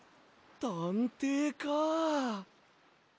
たんていか。